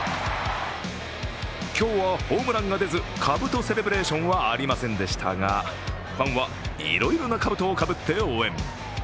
今日はホームランが出ずかぶとセレブレーションはありませんでしたがファンはいろいろなかぶとをかぶって応援。